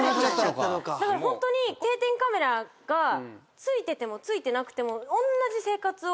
だからホントに定点カメラが付いてても付いてなくてもおんなじ生活を